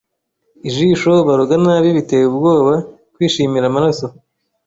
ijisho baroga nabi Biteye ubwoba kwishimira amaraso